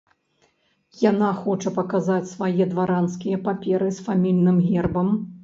Яна хоча паказаць свае дваранскія паперы з фамільным гербам.